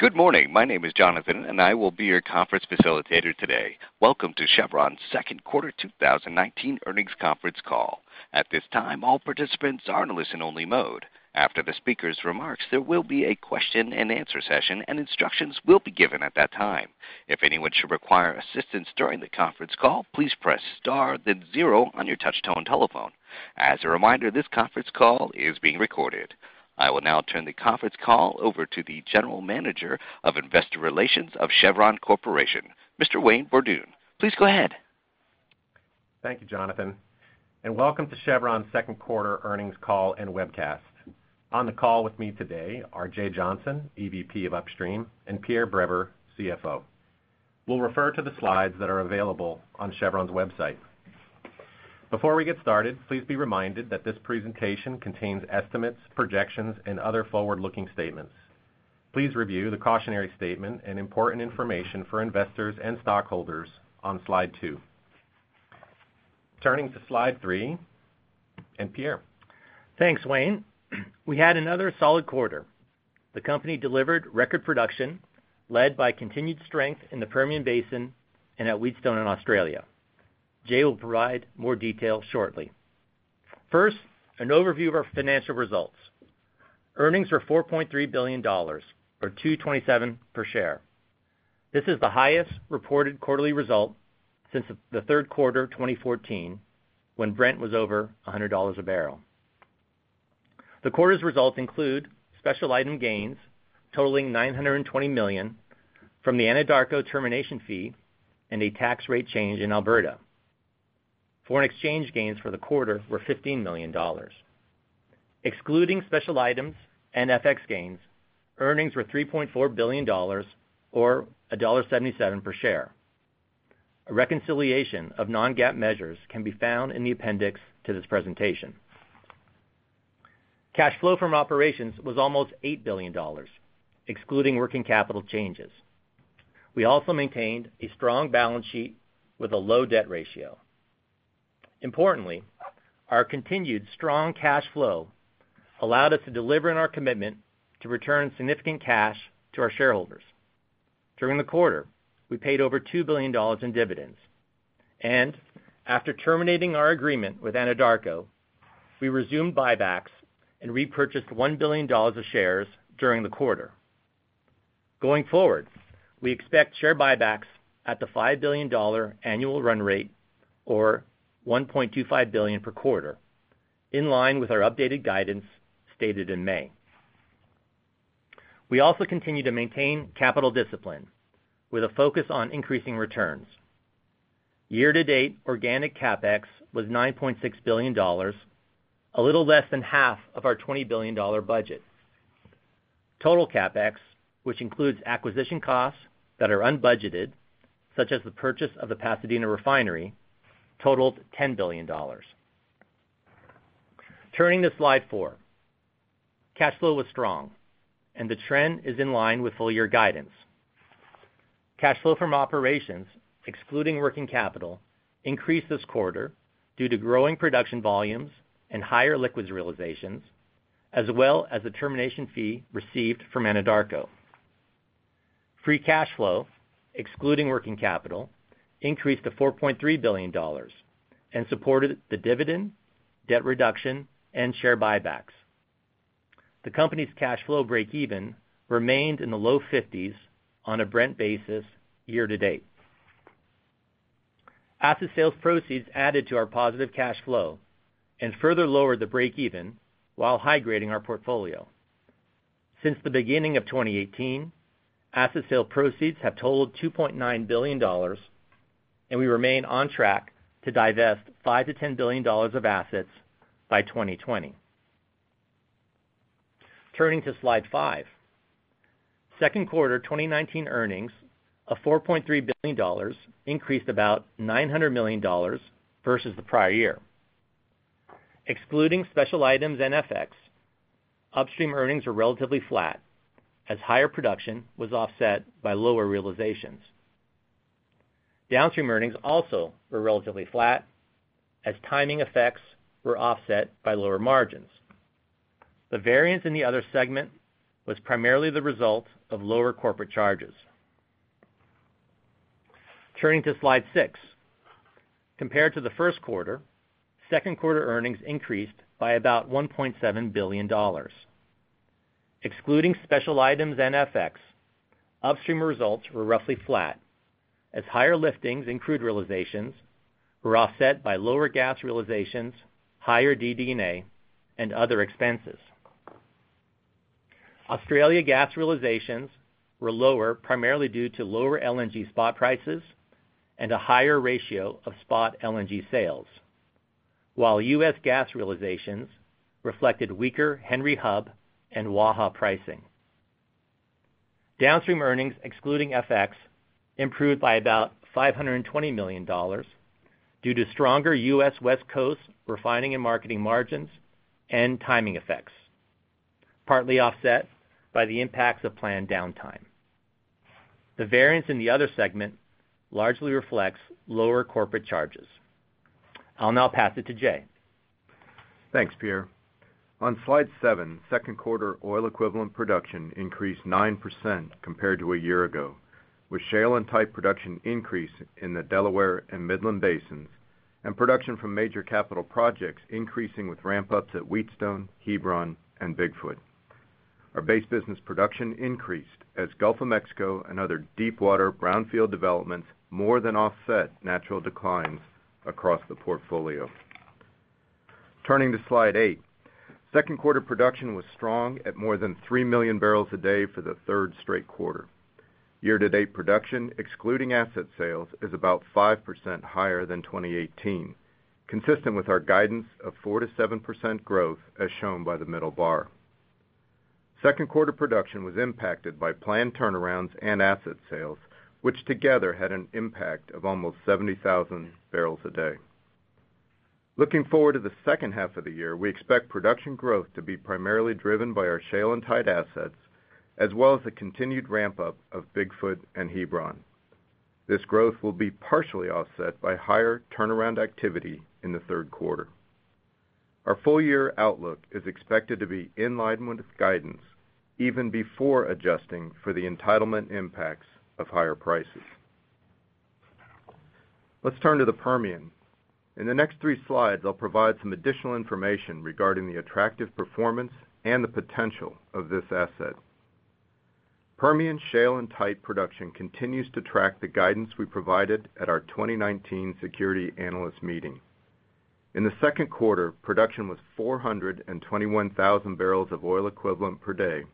Good morning. My name is Jonathan, and I will be your conference facilitator today. Welcome to Chevron's second quarter 2019 earnings conference call. At this time, all participants are in listen only mode. After the speaker's remarks, there will be a question and answer session, and instructions will be given at that time. If anyone should require assistance during the conference call, please press star then zero on your touchtone telephone. As a reminder, this conference call is being recorded. I will now turn the conference call over to the General Manager of Investor Relations of Chevron Corporation, Mr. Wayne Borduin. Please go ahead. Thank you, Jonathan, and welcome to Chevron's second quarter earnings call and webcast. On the call with me today are Jay Johnson, EVP of Upstream, and Pierre Breber, CFO. We'll refer to the slides that are available on Chevron's website. Before we get started, please be reminded that this presentation contains estimates, projections, and other forward-looking statements. Please review the cautionary statement and important information for investors and stockholders on slide two. Turning to slide three, and Pierre. Thanks, Wayne. We had another solid quarter. The company delivered record production led by continued strength in the Permian Basin and at Wheatstone in Australia. Jay will provide more details shortly. First, an overview of our financial results. Earnings were $4.3 billion, or $2.27 per share. This is the highest reported quarterly result since the third quarter of 2014 when Brent was over $100 a barrel. The quarter's results include special item gains totaling $920 million from the Anadarko termination fee and a tax rate change in Alberta. Foreign exchange gains for the quarter were $15 million. Excluding special items and FX gains, earnings were $3.4 billion, or $1.77 per share. A reconciliation of non-GAAP measures can be found in the appendix to this presentation. Cash flow from operations was almost $8 billion, excluding working capital changes. We also maintained a strong balance sheet with a low debt ratio. Importantly, our continued strong cash flow allowed us to deliver on our commitment to return significant cash to our shareholders. During the quarter, we paid over $2 billion in dividends, and after terminating our agreement with Anadarko, we resumed buybacks and repurchased $1 billion of shares during the quarter. Going forward, we expect share buybacks at the $5 billion annual run rate or $1.25 billion per quarter, in line with our updated guidance stated in May. We also continue to maintain capital discipline with a focus on increasing returns. Year to date, organic CapEx was $9.6 billion, a little less than half of our $20 billion budget. Total CapEx, which includes acquisition costs that are unbudgeted, such as the purchase of the Pasadena refinery, totaled $10 billion. Turning to slide four. Cash flow was strong, and the trend is in line with full-year guidance. Cash flow from operations, excluding working capital, increased this quarter due to growing production volumes and higher liquids realizations, as well as the termination fee received from Anadarko. Free cash flow, excluding working capital, increased to $4.3 billion and supported the dividend, debt reduction, and share buybacks. The company's cash flow breakeven remained in the low 50s on a Brent basis year to date. Asset sales proceeds added to our positive cash flow and further lowered the breakeven while high-grading our portfolio. Since the beginning of 2018, asset sale proceeds have totaled $2.9 billion, and we remain on track to divest $5 billion-$10 billion of assets by 2020. Turning to slide five. Second quarter 2019 earnings of $4.3 billion increased about $900 million versus the prior year. Excluding special items and FX, upstream earnings were relatively flat as higher production was offset by lower realizations. Downstream earnings also were relatively flat as timing effects were offset by lower margins. The variance in the other segment was primarily the result of lower corporate charges. Turning to slide six. Compared to the first quarter, second quarter earnings increased by about $1.7 billion. Excluding special items and FX, upstream results were roughly flat as higher liftings in crude realizations were offset by lower gas realizations, higher DD&A, and other expenses. Australia gas realizations were lower primarily due to lower LNG spot prices and a higher ratio of spot LNG sales. While U.S. gas realizations reflected weaker Henry Hub and Waha pricing. Downstream earnings excluding FX improved by about $520 million due to stronger U.S. West Coast refining and marketing margins and timing effects, partly offset by the impacts of planned downtime. The variance in the other segment largely reflects lower corporate charges. I'll now pass it to Jay. Thanks, Pierre. On slide seven, second quarter oil equivalent production increased 9% compared to a year ago, with shale and tight production increase in the Delaware and Midland basins, and production from major capital projects increasing with ramp-ups at Wheatstone, Hebron, and Bigfoot. Our base business production increased as Gulf of Mexico and other deepwater brownfield developments more than offset natural declines across the portfolio. Turning to slide eight, second quarter production was strong at more than 3 million barrels a day for the third straight quarter. Year-to-date production, excluding asset sales, is about 5% higher than 2018, consistent with our guidance of 4%-7% growth, as shown by the middle bar. Second quarter production was impacted by planned turnarounds and asset sales, which together had an impact of almost 70,000 barrels a day. Looking forward to the second half of the year, we expect production growth to be primarily driven by our shale and tight assets, as well as the continued ramp-up of Bigfoot and Hebron. This growth will be partially offset by higher turnaround activity in the third quarter. Our full year outlook is expected to be in line with guidance, even before adjusting for the entitlement impacts of higher prices. Let's turn to the Permian. In the next three slides, I'll provide some additional information regarding the attractive performance and the potential of this asset. Permian shale and tight production continues to track the guidance we provided at our 2019 security analyst meeting. In the second quarter, production was 421,000 barrels of oil equivalent per day,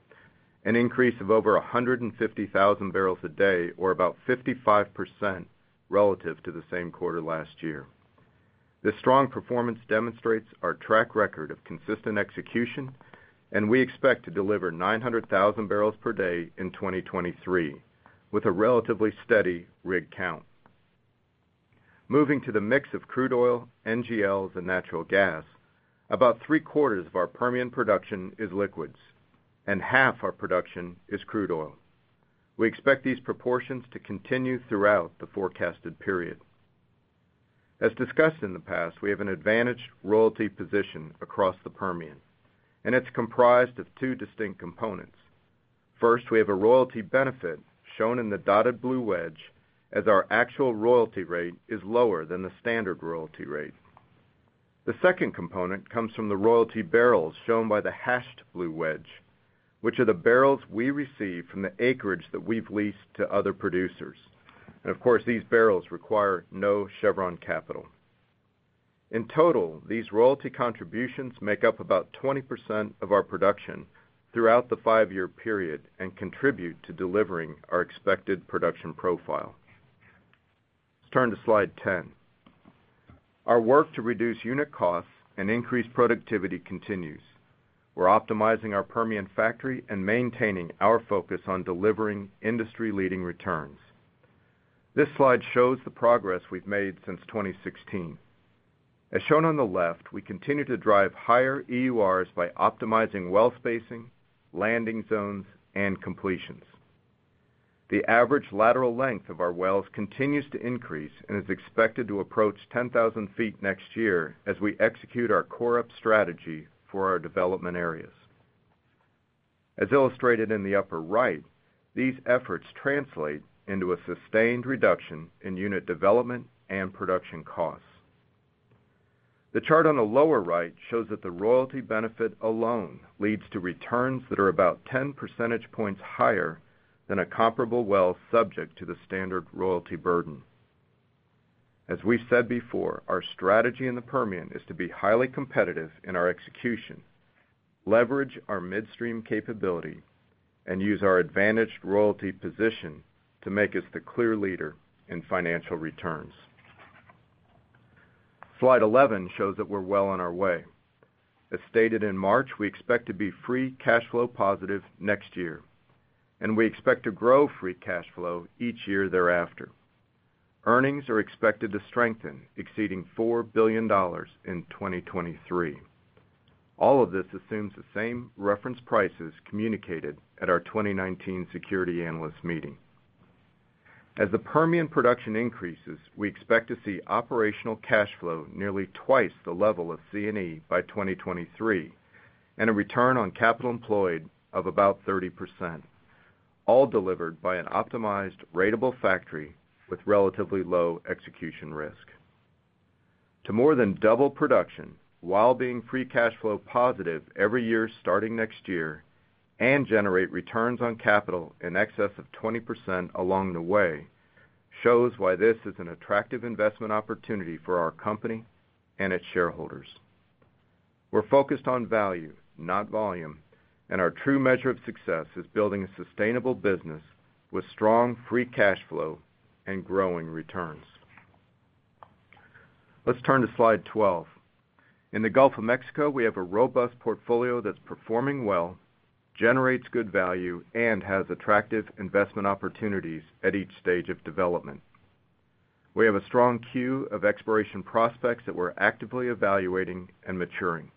an increase of over 150,000 barrels a day, or about 55% relative to the same quarter last year. This strong performance demonstrates our track record of consistent execution, and we expect to deliver 900,000 barrels per day in 2023, with a relatively steady rig count. Moving to the mix of crude oil, NGLs, and natural gas, about three-quarters of our Permian production is liquids, and half our production is crude oil. We expect these proportions to continue throughout the forecasted period. As discussed in the past, we have an advantaged royalty position across the Permian, and it's comprised of two distinct components. First, we have a royalty benefit, shown in the dotted blue wedge, as our actual royalty rate is lower than the standard royalty rate. The second component comes from the royalty barrels shown by the hashed blue wedge, which are the barrels we receive from the acreage that we've leased to other producers. Of course, these barrels require no Chevron capital. In total, these royalty contributions make up about 20% of our production throughout the five-year period and contribute to delivering our expected production profile. Let's turn to slide 10. Our work to reduce unit costs and increase productivity continues. We're optimizing our Permian factory and maintaining our focus on delivering industry-leading returns. This slide shows the progress we've made since 2016. As shown on the left, we continue to drive higher EURs by optimizing well spacing, landing zones, and completions. The average lateral length of our wells continues to increase and is expected to approach 10,000 feet next year as we execute our core up strategy for our development areas. As illustrated in the upper right, these efforts translate into a sustained reduction in unit development and production costs. The chart on the lower right shows that the royalty benefit alone leads to returns that are about 10 percentage points higher than a comparable well subject to the standard royalty burden. As we said before, our strategy in the Permian is to be highly competitive in our execution, leverage our midstream capability, and use our advantaged royalty position to make us the clear leader in financial returns. Slide 11 shows that we're well on our way. As stated in March, we expect to be free cash flow positive next year, and we expect to grow free cash flow each year thereafter. Earnings are expected to strengthen, exceeding $4 billion in 2023. All of this assumes the same reference prices communicated at our 2019 security analyst meeting. As the Permian production increases, we expect to see operational cash flow nearly twice the level of C&E by 2023, and a return on capital employed of about 30%, all delivered by an optimized ratable factory with relatively low execution risk. To more than double production while being free cash flow positive every year starting next year and generate returns on capital in excess of 20% along the way shows why this is an attractive investment opportunity for our company and its shareholders. We're focused on value, not volume, and our true measure of success is building a sustainable business with strong free cash flow and growing returns. Let's turn to slide 12. In the Gulf of Mexico, we have a robust portfolio that's performing well, generates good value, and has attractive investment opportunities at each stage of development. We have a strong queue of exploration prospects that we're actively evaluating and maturing.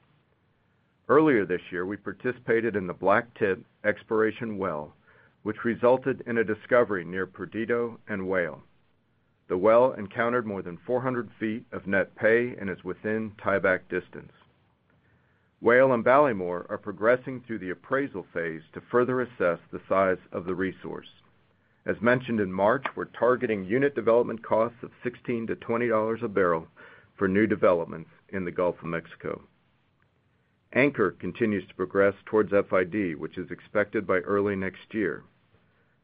Earlier this year, we participated in the Blacktip exploration well, which resulted in a discovery near Perdido and Whale. The well encountered more than 400 feet of net pay and is within tieback distance. Whale and Ballymore are progressing through the appraisal phase to further assess the size of the resource. As mentioned in March, we're targeting unit development costs of $16-$20 a barrel for new developments in the Gulf of Mexico. Anchor continues to progress towards FID, which is expected by early next year.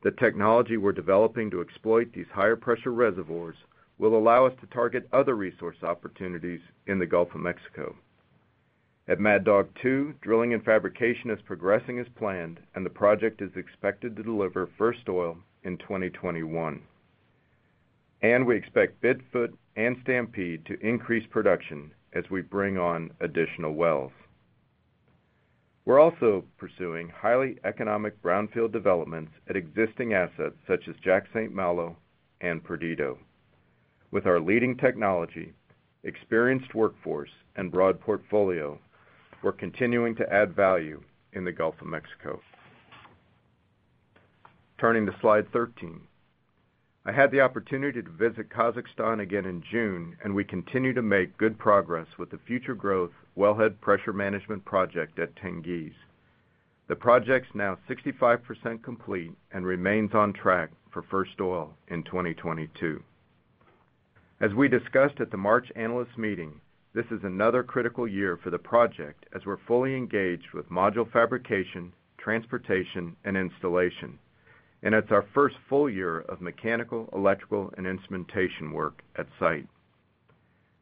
The technology we're developing to exploit these higher pressure reservoirs will allow us to target other resource opportunities in the Gulf of Mexico. At Mad Dog 2, drilling and fabrication is progressing as planned, and the project is expected to deliver first oil in 2021. We expect Bigfoot and Stampede to increase production as we bring on additional wells. We're also pursuing highly economic brownfield developments at existing assets such as Jack St. Malo and Perdido. With our leading technology, experienced workforce, and broad portfolio, we're continuing to add value in the Gulf of Mexico. Turning to slide 13. I had the opportunity to visit Kazakhstan again in June, and we continue to make good progress with the Future Growth Wellhead Pressure Management Project at Tengiz. The project's now 65% complete and remains on track for first oil in 2022. As we discussed at the March analyst meeting, this is another critical year for the project as we're fully engaged with module fabrication, transportation, and installation. It's our first full year of mechanical, electrical, and instrumentation work at site.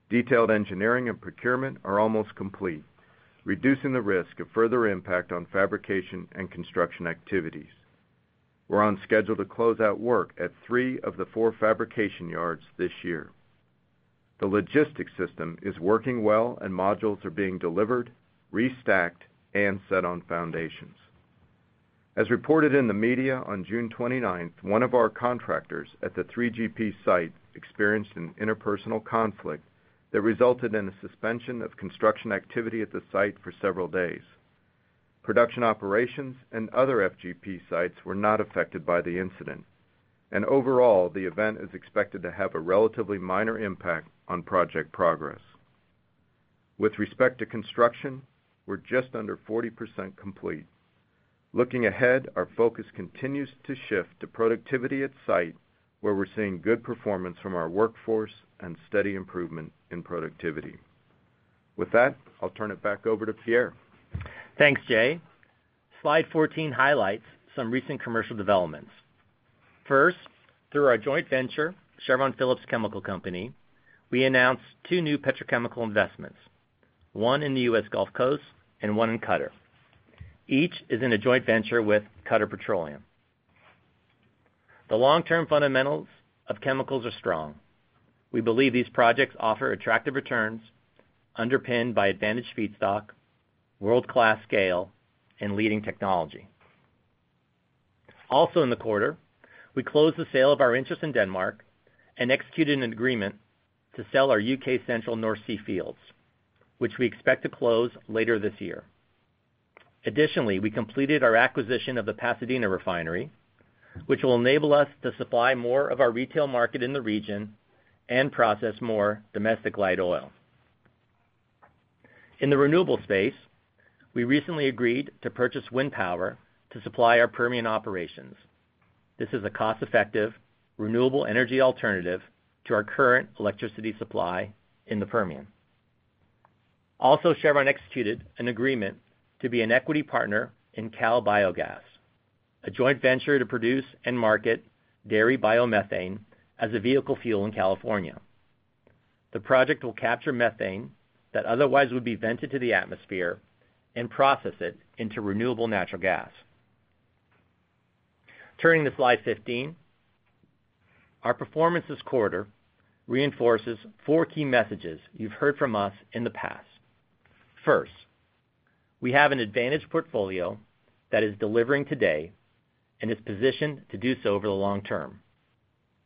Detailed engineering and procurement are almost complete, reducing the risk of further impact on fabrication and construction activities. We're on schedule to close out work at three of the four fabrication yards this year. The logistics system is working well, modules are being delivered, restacked, and set on foundations. As reported in the media on June 29th, one of our contractors at the 3GP site experienced an interpersonal conflict that resulted in a suspension of construction activity at the site for several days. Production operations and other FGP sites were not affected by the incident, overall, the event is expected to have a relatively minor impact on project progress. With respect to construction, we're just under 40% complete. Looking ahead, our focus continues to shift to productivity at site, where we're seeing good performance from our workforce and steady improvement in productivity. With that, I'll turn it back over to Pierre. Thanks, Jay. Slide 14 highlights some recent commercial developments. First, through our joint venture, Chevron Phillips Chemical Company, we announced two new petrochemical investments, one in the U.S. Gulf Coast and one in Qatar. Each is in a joint venture with Qatar Petroleum. The long-term fundamentals of chemicals are strong. We believe these projects offer attractive returns underpinned by advantaged feedstock, world-class scale, and leading technology. Also in the quarter, we closed the sale of our interest in Denmark and executed an agreement to sell our U.K. Central North Sea fields, which we expect to close later this year. Additionally, we completed our acquisition of the Pasadena Refinery, which will enable us to supply more of our retail market in the region and process more domestic light oil. In the renewable space, we recently agreed to purchase wind power to supply our Permian operations. This is a cost-effective, renewable energy alternative to our current electricity supply in the Permian. Chevron executed an agreement to be an equity partner in CalBioGas, a joint venture to produce and market dairy biomethane as a vehicle fuel in California. The project will capture methane that otherwise would be vented to the atmosphere and process it into renewable natural gas. Turning to slide 15, our performance this quarter reinforces four key messages you've heard from us in the past. First, we have an advantage portfolio that is delivering today and is positioned to do so over the long term,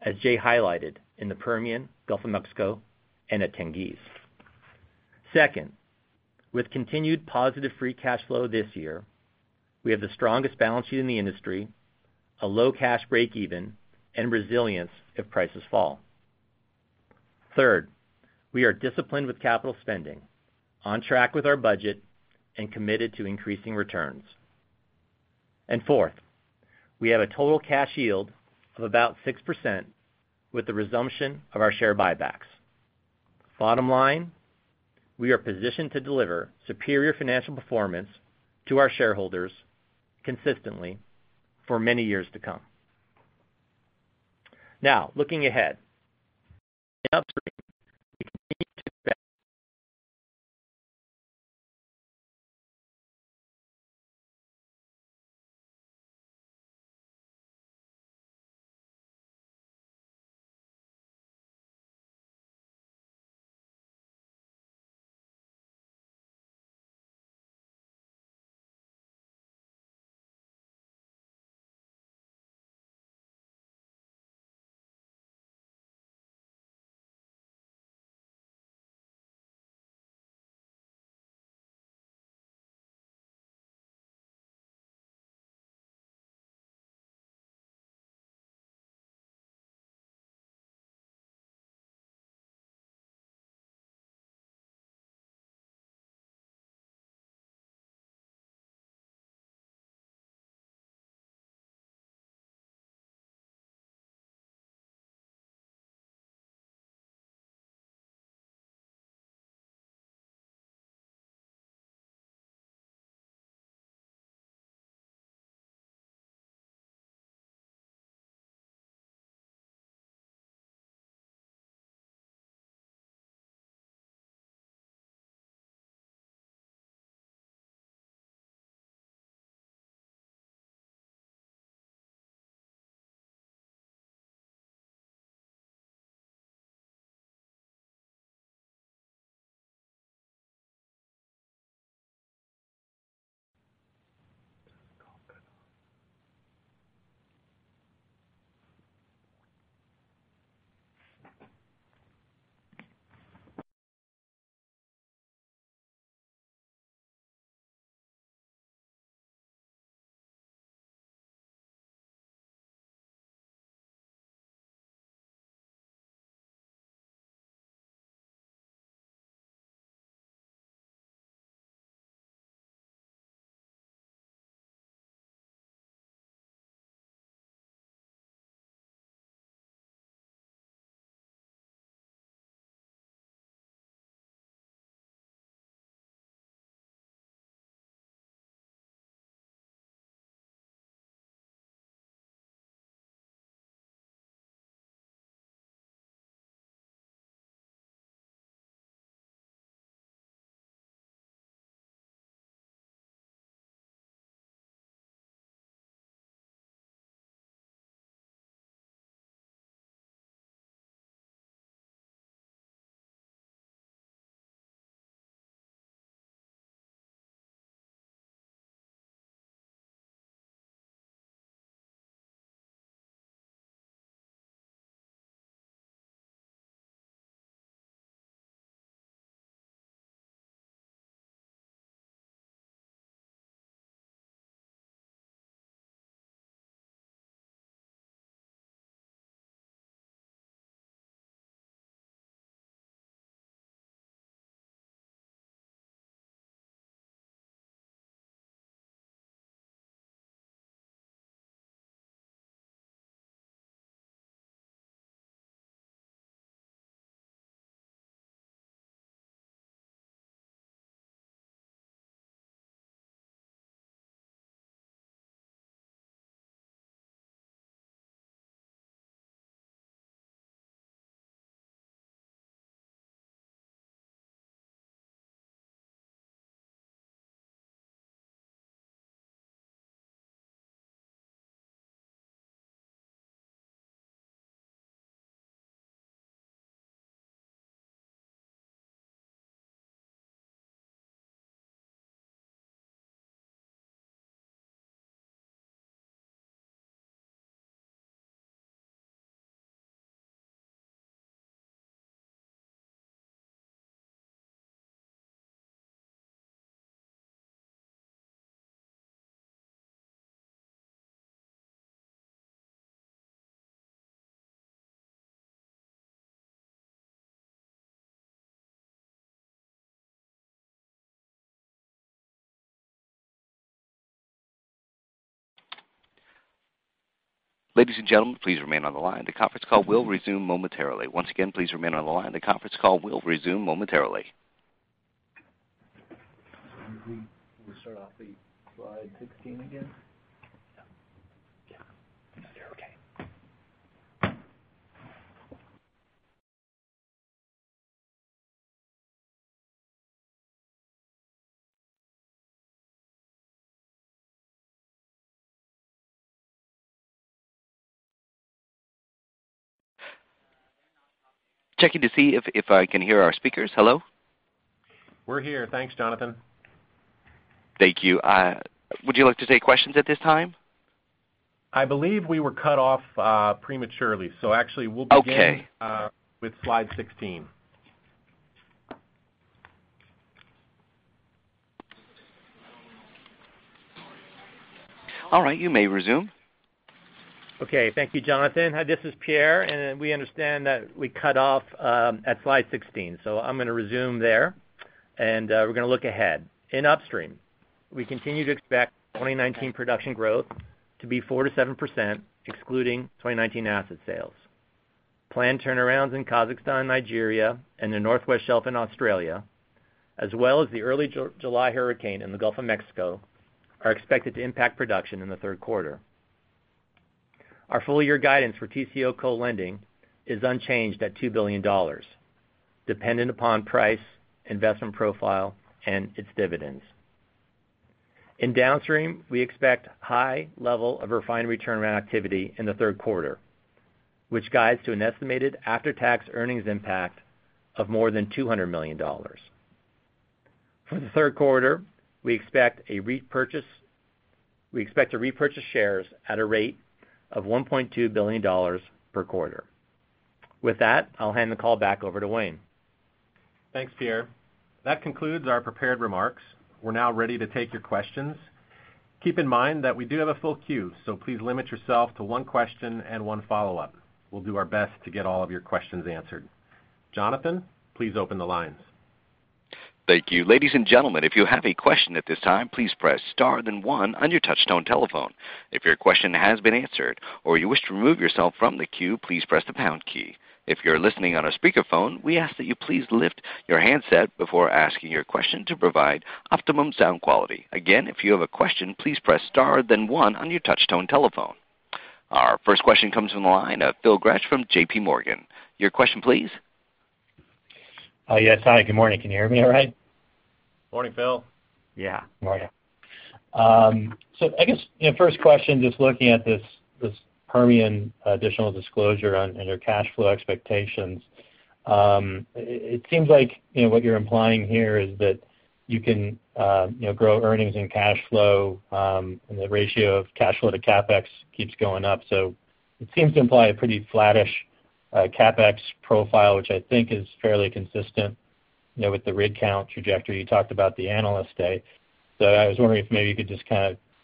as Jay highlighted in the Permian, Gulf of Mexico, and at Tengiz. Second, with continued positive free cash flow this year, we have the strongest balance sheet in the industry, a low cash breakeven, and resilience if prices fall. We are disciplined with capital spending, on track with our budget, and committed to increasing returns. Fourth, we have a total cash yield of about 6% with the resumption of our share buybacks. Bottom line, we are positioned to deliver superior financial performance to our shareholders consistently for many years to come. Looking ahead. In upstream. Ladies and gentlemen, please remain on the line. The conference call will resume momentarily. Once again, please remain on the line. The conference call will resume momentarily. We start off with slide 16 again? Yeah. You're okay. Checking to see if I can hear our speakers. Hello? We're here. Thanks, Jonathan. Thank you. Would you like to take questions at this time? I believe we were cut off prematurely. Okay with slide 16. All right, you may resume. Okay. Thank you, Jonathan. This is Pierre. We understand that we cut off at slide 16. I'm going to resume there. We're going to look ahead. In upstream, we continue to expect 2019 production growth to be 4%-7%, excluding 2019 asset sales. Planned turnarounds in Kazakhstan, Nigeria, and the North West Shelf in Australia, as well as the early July hurricane in the Gulf of Mexico, are expected to impact production in the third quarter. Our full year guidance for TCO co-lending is unchanged at $2 billion, dependent upon price, investment profile, and its dividends. In downstream, we expect high level of refinery turnaround activity in the third quarter, which guides to an estimated after-tax earnings impact of more than $200 million. For the third quarter, we expect to repurchase shares at a rate of $1.2 billion per quarter. With that, I'll hand the call back over to Wayne. Thanks, Pierre. That concludes our prepared remarks. We're now ready to take your questions. Keep in mind that we do have a full queue, so please limit yourself to one question and one follow-up. We'll do our best to get all of your questions answered. Jonathan, please open the lines. Thank you. Ladies and gentlemen, if you have a question at this time, please press star then 1 on your touchtone telephone. If your question has been answered or you wish to remove yourself from the queue, please press the pound key. If you're listening on a speakerphone, we ask that you please lift your handset before asking your question to provide optimum sound quality. Again, if you have a question, please press star then 1 on your touchtone telephone. Our first question comes from the line of Phil Gresh from JPMorgan. Your question, please? Yes. Hi. Good morning. Can you hear me all right? Morning, Phil. Yeah. Morning. I guess, first question, just looking at this Permian additional disclosure on your cash flow expectations. It seems like what you're implying here is that you can grow earnings and cash flow, and the ratio of cash flow to CapEx keeps going up. It seems to imply a pretty flattish CapEx profile, which I think is fairly consistent with the rig count trajectory you talked about at the Analyst Day. I was wondering if maybe you could just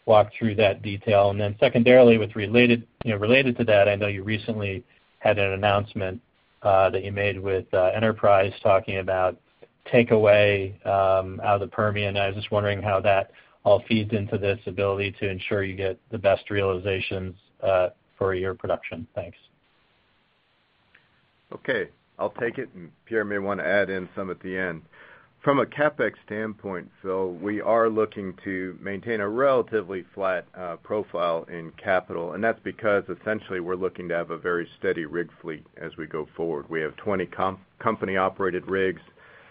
walk through that detail. Secondarily, related to that, I know you recently had an announcement that you made with Enterprise talking about takeaway out of the Permian. I was just wondering how that all feeds into this ability to ensure you get the best realizations for your production. Thanks. Okay. I'll take it, and Pierre may want to add in some at the end. From a CapEx standpoint, Phil, we are looking to maintain a relatively flat profile in capital, and that's because essentially we're looking to have a very steady rig fleet as we go forward. We have 20 company-operated rigs.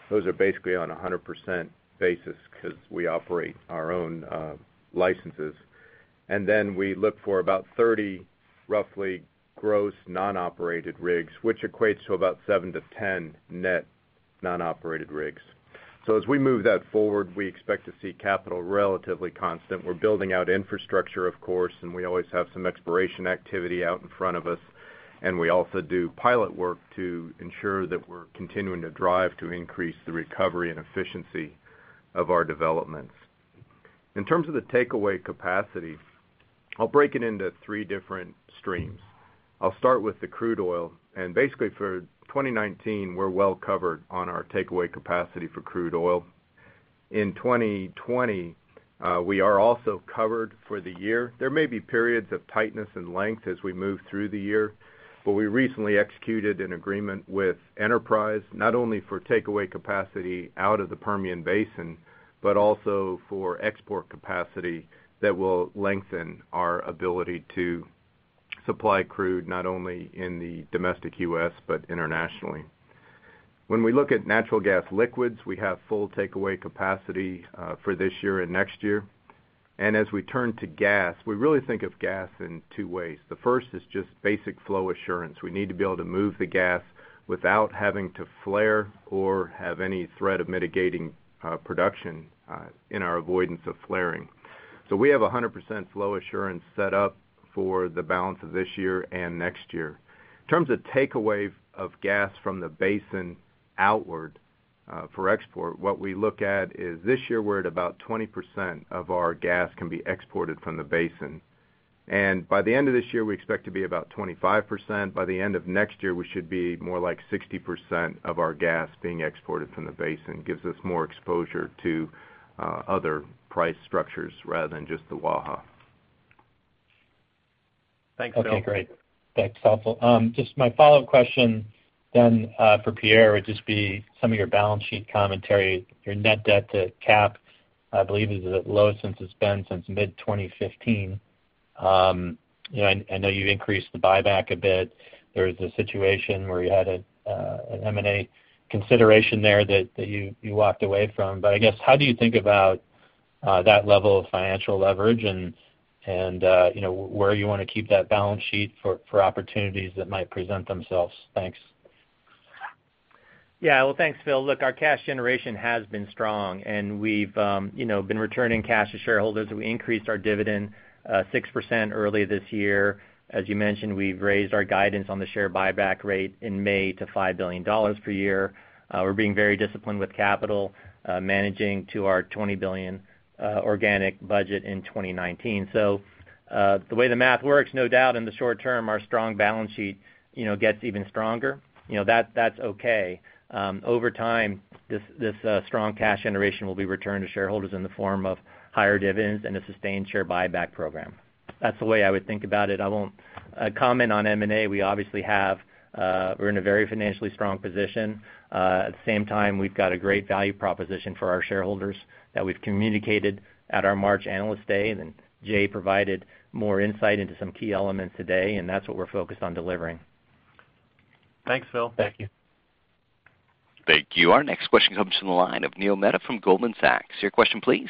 Those are basically on a 100% basis because we operate our own licenses. And then we look for about 30 roughly gross non-operated rigs, which equates to about 7-10 net non-operated rigs. As we move that forward, we expect to see capital relatively constant. We're building out infrastructure, of course, and we always have some exploration activity out in front of us, and we also do pilot work to ensure that we're continuing to drive to increase the recovery and efficiency of our developments. In terms of the takeaway capacity, I'll break it into three different streams. I'll start with the crude oil, and basically for 2019, we're well covered on our takeaway capacity for crude oil. In 2020, we are also covered for the year. There may be periods of tightness and length as we move through the year, but we recently executed an agreement with Enterprise, not only for takeaway capacity out of the Permian Basin, but also for export capacity that will lengthen our ability to supply crude, not only in the domestic U.S. but internationally. When we look at natural gas liquids, we have full takeaway capacity for this year and next year. As we turn to gas, we really think of gas in two ways. The first is just basic flow assurance. We need to be able to move the gas without having to flare or have any threat of mitigating production in our avoidance of flaring. We have 100% flow assurance set up for the balance of this year and next year. In terms of takeaway of gas from the basin outward for export, what we look at is this year we're at about 20% of our gas can be exported from the basin. By the end of this year, we expect to be about 25%. By the end of next year, we should be more like 60% of our gas being exported from the basin. Gives us more exposure to other price structures rather than just the Waha. Thanks, Phil. Okay, great. That's helpful. Just my follow-up question then for Pierre would just be some of your balance sheet commentary. Your net debt to cap, I believe, is at the lowest it's been since mid-2015. I know you've increased the buyback a bit. There was a situation where you had an M&A consideration there that you walked away from. I guess, how do you think about that level of financial leverage and where you want to keep that balance sheet for opportunities that might present themselves? Thanks. Well, thanks, Phil. Our cash generation has been strong, and we've been returning cash to shareholders. We increased our dividend 6% earlier this year. As you mentioned, we've raised our guidance on the share buyback rate in May to $5 billion per year. We're being very disciplined with capital, managing to our $20 billion organic budget in 2019. The way the math works, no doubt in the short term, our strong balance sheet gets even stronger. That's okay. Over time, this strong cash generation will be returned to shareholders in the form of higher dividends and a sustained share buyback program. That's the way I would think about it. I won't comment on M&A. We're in a very financially strong position. At the same time, we've got a great value proposition for our shareholders that we've communicated at our March Analyst Day, and then Jay provided more insight into some key elements today, and that's what we're focused on delivering. Thanks, Phil. Thank you. Thank you. Our next question comes from the line of Neil Mehta from Goldman Sachs. Your question, please?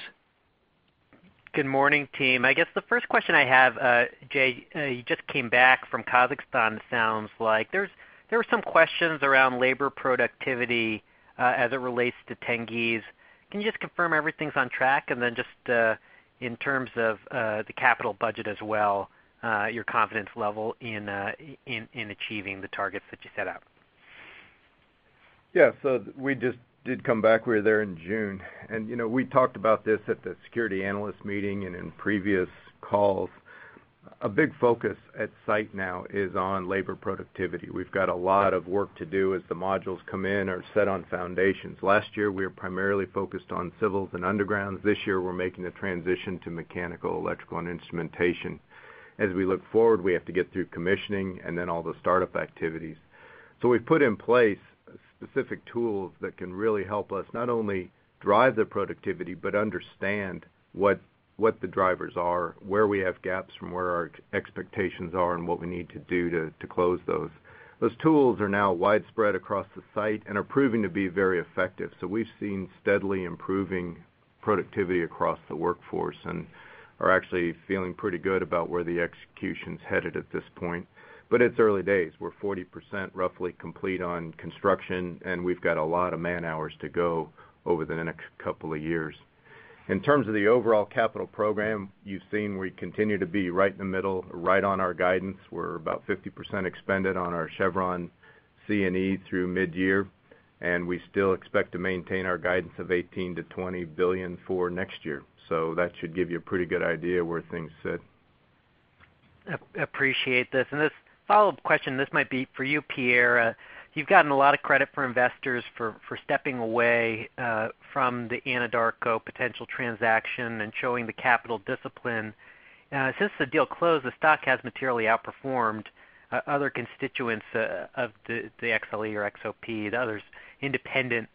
Good morning, team. I guess the first question I have, Jay, you just came back from Kazakhstan sounds like. There were some questions around labor productivity as it relates to Tengiz. Can you just confirm everything's on track? Then just in terms of the capital budget as well, your confidence level in achieving the targets that you set out. Yeah. We just did come back. We were there in June. We talked about this at the security analyst meeting and in previous calls. A big focus at site now is on labor productivity. We've got a lot of work to do as the modules come in or set on foundations. Last year, we were primarily focused on civils and underground. This year, we're making the transition to mechanical, electrical, and instrumentation. As we look forward, we have to get through commissioning and then all the startup activities. We've put in place specific tools that can really help us not only drive the productivity, but understand what the drivers are, where we have gaps from where our expectations are, and what we need to do to close those. Those tools are now widespread across the site and are proving to be very effective. We've seen steadily improving productivity across the workforce and are actually feeling pretty good about where the execution's headed at this point. It's early days. We're 40% roughly complete on construction, and we've got a lot of man-hours to go over the next couple of years. In terms of the overall capital program, you've seen we continue to be right in the middle, right on our guidance. We're about 50% expended on our Chevron C&E through mid-year, and we still expect to maintain our guidance of $18 billion-$20 billion for next year. That should give you a pretty good idea where things sit. Appreciate this. This follow-up question, this might be for you, Pierre. You've gotten a lot of credit for investors for stepping away from the Anadarko potential transaction and showing the capital discipline. Since the deal closed, the stock has materially outperformed other constituents of the XLE or XOP, the other independent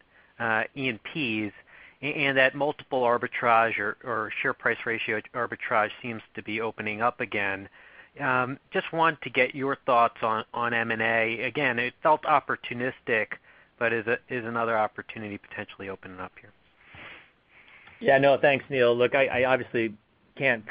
E&Ps, and that multiple arbitrage or share price ratio arbitrage seems to be opening up again. Just want to get your thoughts on M&A. Again, it felt opportunistic, but is another opportunity potentially opening up here? Yeah. No, thanks, Neil. Look, I obviously can't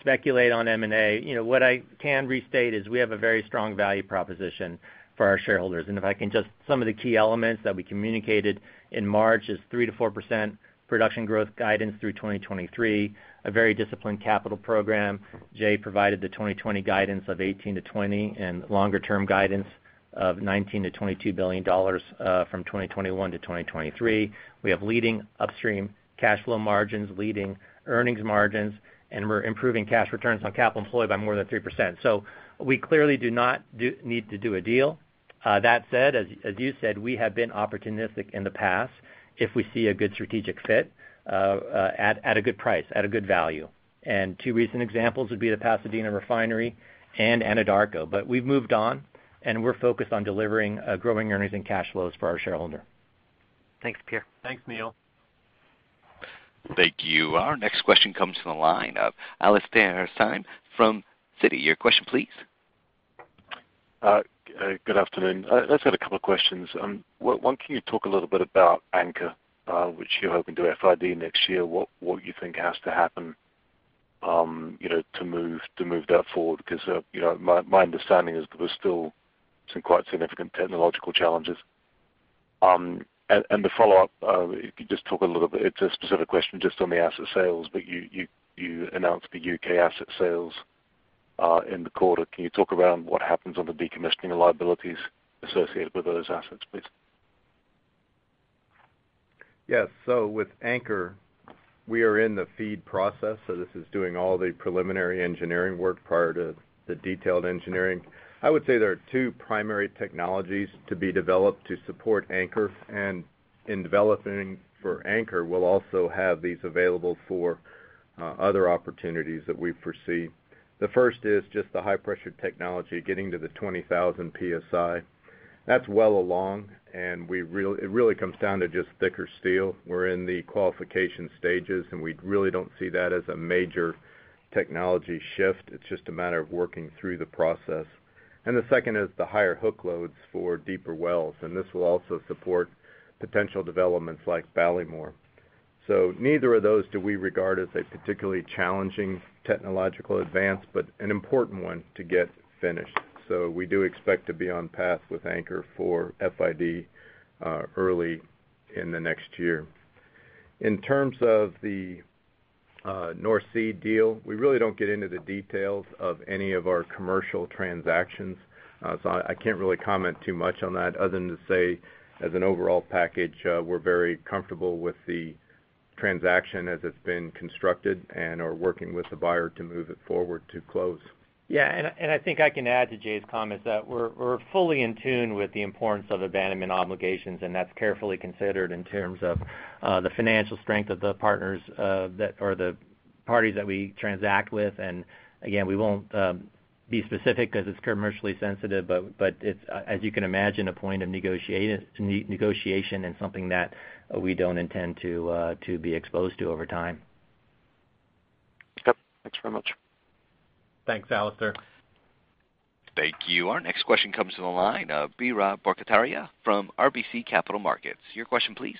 speculate on M&A. What I can restate is we have a very strong value proposition for our shareholders. If I can just, some of the key elements that we communicated in March is 3%-4% production growth guidance through 2023, a very disciplined capital program. Jay provided the 2020 guidance of $18 billion-$20 billion and longer-term guidance of $19 billion-$22 billion from 2021 to 2023. We have leading upstream cash flow margins, leading earnings margins, and we're improving cash returns on capital employed by more than 3%. We clearly do not need to do a deal. That said, as you said, we have been opportunistic in the past if we see a good strategic fit at a good price, at a good value. Two recent examples would be the Pasadena refinery and Anadarko. We've moved on, and we're focused on delivering growing earnings and cash flows for our shareholder. Thanks, Pierre. Thanks, Neil. Thank you. Our next question comes from the line of Alastair Syme from Citi. Your question, please. Good afternoon. I just had a couple of questions. One, can you talk a little bit about Anchor, which you're hoping to FID next year? What do you think has to happen to move that forward? My understanding is there were still some quite significant technological challenges. The follow-up, if you could just talk a little bit, it's a specific question just on the asset sales, but you announced the U.K. asset sales in the quarter. Can you talk around what happens on the decommissioning liabilities associated with those assets, please? Yes. With Anchor, we are in the FEED process, this is doing all the preliminary engineering work prior to the detailed engineering. I would say there are two primary technologies to be developed to support Anchor, and in developing for Anchor, we'll also have these available for other opportunities that we foresee. The first is just the high-pressure technology, getting to the 20,000 psi. That's well along, and it really comes down to just thicker steel. We're in the qualification stages, and we really don't see that as a major technology shift. It's just a matter of working through the process. The second is the higher hook loads for deeper wells, and this will also support potential developments like Ballymore. Neither of those do we regard as a particularly challenging technological advance, but an important one to get finished. We do expect to be on path with Anchor for FID early in the next year. In terms of the North Sea deal, we really don't get into the details of any of our commercial transactions. I can't really comment too much on that other than to say, as an overall package, we're very comfortable with the transaction as it's been constructed and are working with the buyer to move it forward to close. Yeah, I think I can add to Jay's comments that we're fully in tune with the importance of abandonment obligations, and that's carefully considered in terms of the financial strength of the partners or the parties that we transact with. Again, we won't be specific because it's commercially sensitive, but as you can imagine, a point of negotiation and something that we don't intend to be exposed to over time. Yep. Thanks very much. Thanks, Alastair. Thank you. Our next question comes from the line of Biraj Borkhataria from RBC Capital Markets. Your question, please.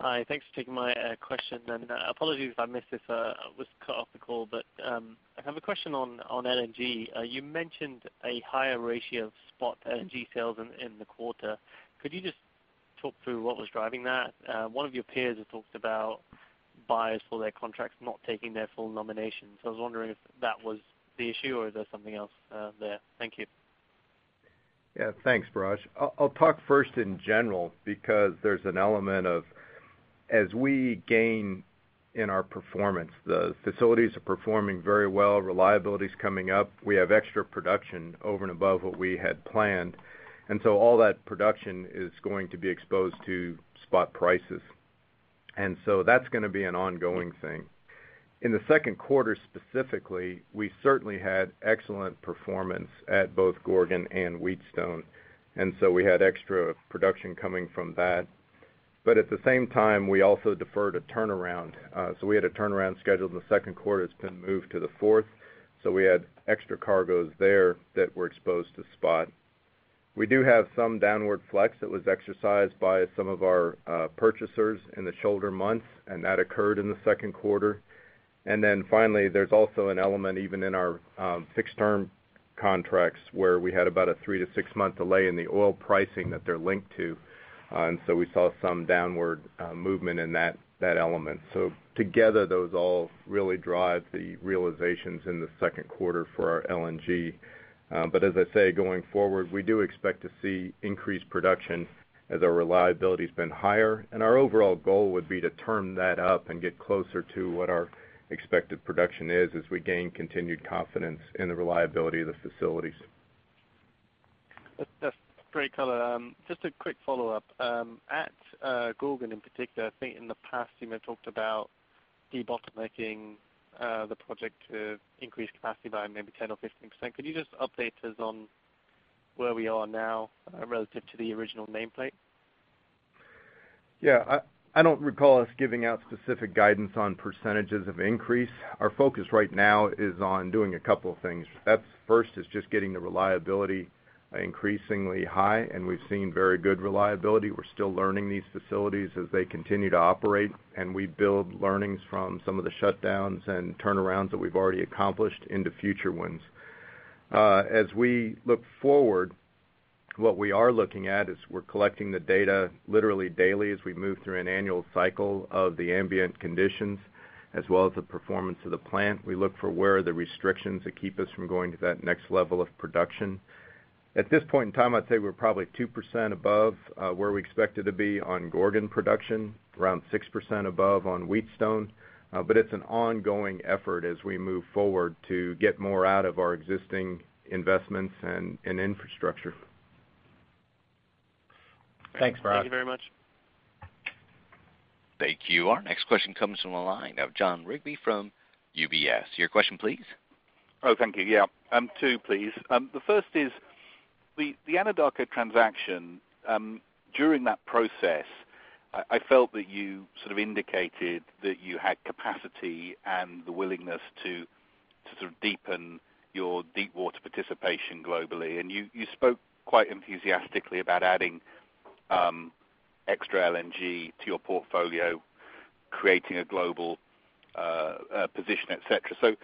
Hi. Thanks for taking my question, and apologies if I missed this. I was cut off the call. I have a question on LNG. You mentioned a higher ratio of spot LNG sales in the quarter. Could you just talk through what was driving that? One of your peers had talked about buyers for their contracts not taking their full nominations. I was wondering if that was the issue or is there something else there? Thank you. Thanks, Biraj. I'll talk first in general because there's an element of as we gain in our performance, the facilities are performing very well, reliability's coming up. We have extra production over and above what we had planned. All that production is going to be exposed to spot prices. That's going to be an ongoing thing. In the second quarter, specifically, we certainly had excellent performance at both Gorgon and Wheatstone. We had extra production coming from that. At the same time, we also deferred a turnaround. We had a turnaround scheduled in the second quarter. It's been moved to the fourth. We had extra cargoes there that were exposed to spot. We do have some downward flex that was exercised by some of our purchasers in the shoulder months, and that occurred in the second quarter. Then finally, there's also an element, even in our fixed-term contracts, where we had about a three to six-month delay in the oil pricing that they're linked to. So we saw some downward movement in that element. Together, those all really drive the realizations in the second quarter for our LNG. As I say, going forward, we do expect to see increased production as our reliability's been higher. Our overall goal would be to term that up and get closer to what our expected production is as we gain continued confidence in the reliability of the facilities. That's great color. Just a quick follow-up. At Gorgon in particular, I think in the past, you may have talked about debottlenecking the project to increase capacity by maybe 10% or 15%. Could you just update us on where we are now relative to the original nameplate? Yeah. I don't recall us giving out specific guidance on % of increase. Our focus right now is on doing a couple of things. That first is just getting the reliability increasingly high, and we've seen very good reliability. We're still learning these facilities as they continue to operate, and we build learnings from some of the shutdowns and turnarounds that we've already accomplished into future ones. As we look forward, what we are looking at is we're collecting the data literally daily as we move through an annual cycle of the ambient conditions as well as the performance of the plant. We look for where are the restrictions that keep us from going to that next level of production. At this point in time, I'd say we're probably 2% above where we expected to be on Gorgon production, around 6% above on Wheatstone. It's an ongoing effort as we move forward to get more out of our existing investments and infrastructure. Thanks, Biraj. Thank you very much. Thank you. Our next question comes from the line of Jon Rigby from UBS. Your question, please. Thank you. Two, please. The first is the Anadarko transaction. During that process, I felt that you sort of indicated that you had capacity and the willingness to sort of deepen your deepwater participation globally. You spoke quite enthusiastically about adding extra LNG to your portfolio, creating a global position, et cetera.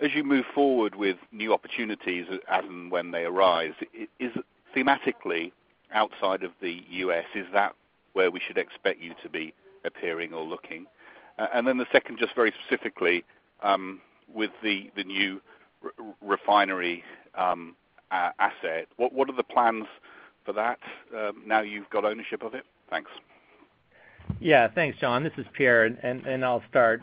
As you move forward with new opportunities as and when they arise, is thematically outside of the U.S., is that where we should expect you to be appearing or looking? Then the second, just very specifically with the new refinery asset, what are the plans for that now you've got ownership of it? Thanks. Thanks, Jon. This is Pierre, and I'll start.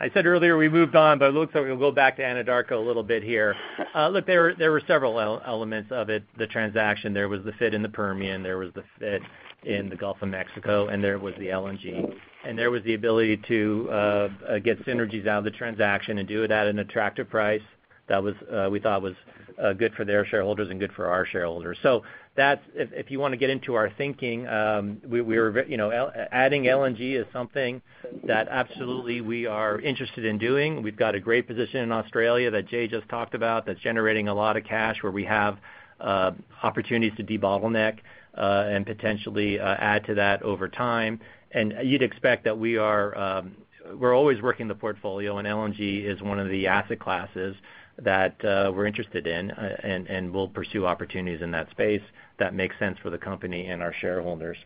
I said earlier we moved on, but it looks like we'll go back to Anadarko a little bit here. Look, there were several elements of it, the transaction. There was the fit in the Permian, there was the fit in the Gulf of Mexico, and there was the LNG. There was the ability to get synergies out of the transaction and do it at an attractive price that we thought was good for their shareholders and good for our shareholders. If you want to get into our thinking, adding LNG is something that absolutely we are interested in doing. We've got a great position in Australia that Jay just talked about that's generating a lot of cash where we have opportunities to debottleneck and potentially add to that over time. You'd expect that we're always working the portfolio, and LNG is one of the asset classes that we're interested in, and we'll pursue opportunities in that space that make sense for the company and our shareholders.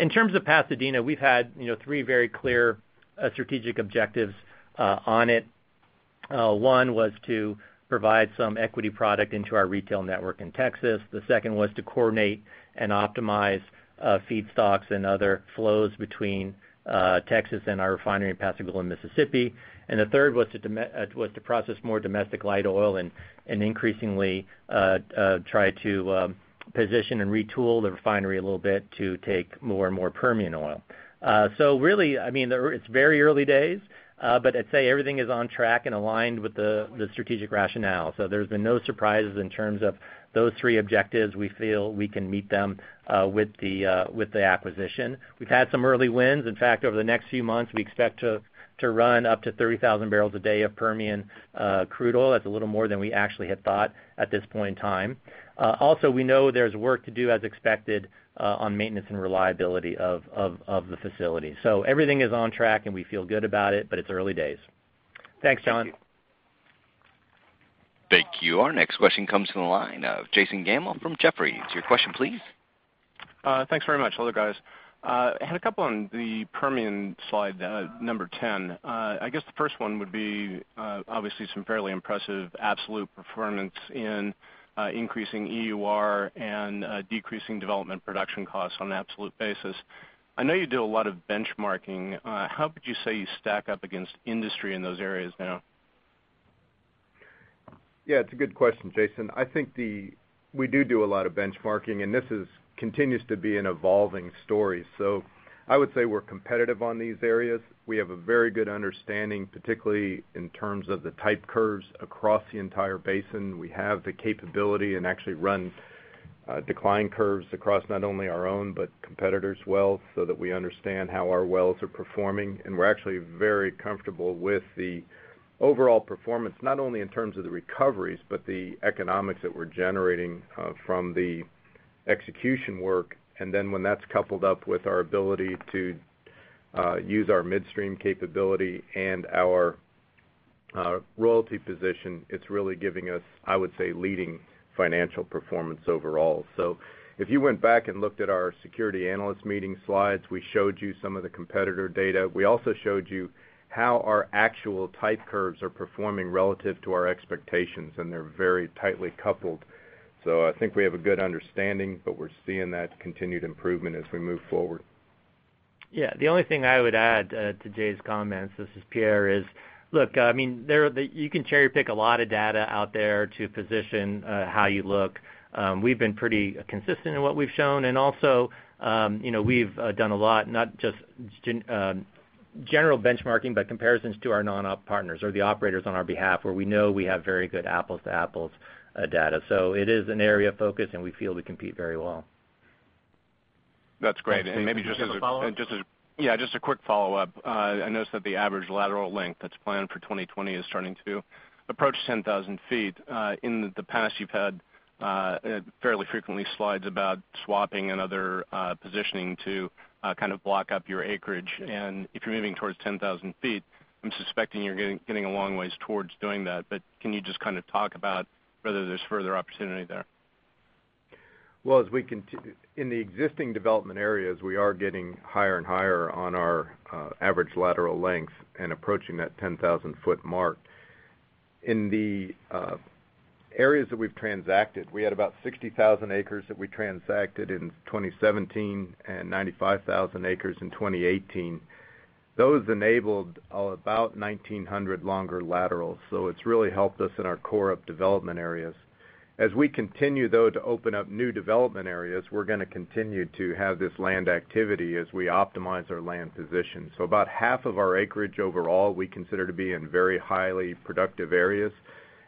In terms of Pasadena, we've had three very clear strategic objectives on it. One was to provide some equity product into our retail network in Texas. The second was to coordinate and optimize feedstocks and other flows between Texas and our refinery in Pascagoula, Mississippi. The third was to process more domestic light oil and increasingly try to position and retool the refinery a little bit to take more and more Permian oil. Really, it's very early days, but I'd say everything is on track and aligned with the strategic rationale. There's been no surprises in terms of those three objectives. We feel we can meet them with the acquisition. We've had some early wins. Over the next few months, we expect to run up to 30,000 barrels a day of Permian crude oil. That's a little more than we actually had thought at this point in time. We know there's work to do as expected on maintenance and reliability of the facility. Everything is on track, and we feel good about it, but it's early days. Thanks, Jon. Thank you. Our next question comes from the line of Jason Gabelman from Jefferies. Your question please? Thanks very much. Hello, guys. I had a couple on the Permian slide, number 10. I guess the first one would be obviously some fairly impressive absolute performance in increasing EUR and decreasing development production costs on an absolute basis. I know you do a lot of benchmarking. How could you say you stack up against industry in those areas now? Yeah, it's a good question, Jason. I think we do a lot of benchmarking, and this continues to be an evolving story. I would say we're competitive on these areas. We have a very good understanding, particularly in terms of the type curves across the entire basin. We have the capability and actually run decline curves across not only our own, but competitors' wells so that we understand how our wells are performing. We're actually very comfortable with the overall performance, not only in terms of the recoveries, but the economics that we're generating from the execution work, and then when that's coupled up with our ability to use our midstream capability and our royalty position, it's really giving us, I would say, leading financial performance overall. If you went back and looked at our security analyst meeting slides, we showed you some of the competitor data. We also showed you how our actual type curves are performing relative to our expectations, and they're very tightly coupled. I think we have a good understanding, but we're seeing that continued improvement as we move forward. The only thing I would add to Jay's comments, this is Pierre, is look, you can cherry-pick a lot of data out there to position how you look. We've been pretty consistent in what we've shown, and also, we've done a lot, not just general benchmarking, but comparisons to our non-op partners or the operators on our behalf, where we know we have very good apples-to-apples data. So it is an area of focus, and we feel we compete very well. That's great. Do you have a follow-up? Yeah, just a quick follow-up. I noticed that the average lateral length that's planned for 2020 is starting to approach 10,000 feet. In the past, you've had fairly frequently slides about swapping and other positioning to block up your acreage. If you're moving towards 10,000 feet, I'm suspecting you're getting a long way towards doing that. Can you just talk about whether there's further opportunity there? In the existing development areas, we are getting higher and higher on our average lateral lengths and approaching that 10,000-foot mark. In the areas that we've transacted, we had about 60,000 acres that we transacted in 2017 and 95,000 acres in 2018. Those enabled about 1,900 longer laterals, so it's really helped us in our core up development areas. As we continue, though, to open up new development areas, we're going to continue to have this land activity as we optimize our land position. About half of our acreage overall, we consider to be in very highly productive areas,